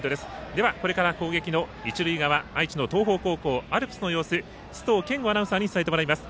では、これから攻撃の一塁側、愛知の東邦高校アルプスの様子を須藤健吾アナウンサーに伝えてもらいます。